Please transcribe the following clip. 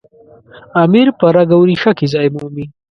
امیر په رګ او ریښه کې ځای مومي.